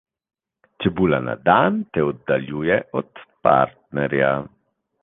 Čebula na dan te oddaljuje od partnerja.